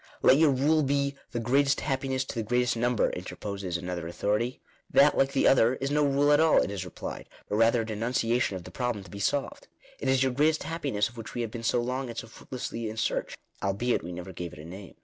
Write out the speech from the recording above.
" Let your rule be, the greatest happiness to the great est number," interposes another authority. " That, like the other, is no rule at all," it is replied ;" but B Digitized by VjOOQIC 2 INTRODUCTION. rather an enunciation of the problem to be solved. It is your 'greatest happiness' of which we have been so long and so fruitlessly in search; albeit we never gave it a name.